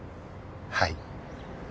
はい。